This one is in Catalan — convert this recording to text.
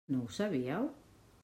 No ho sabíeu?